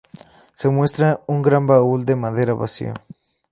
Se muestra un gran baúl de madera vacío.